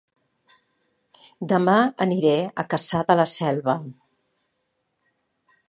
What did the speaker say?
Dema aniré a Cassà de la Selva